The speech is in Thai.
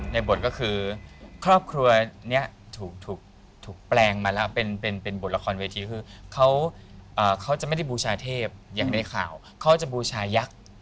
ในบทก็คือครอบครัวนี้ถูกแปลงมาแล้วเป็นบทละครเวทีคือเขาจะไม่ได้บูชาเทพอย่างในข่าวเขาจะบูชายักษ